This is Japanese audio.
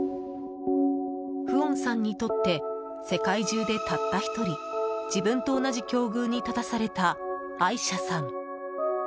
フオンさんにとって世界中でたった１人自分と同じ境遇に立たされたアイシャさん。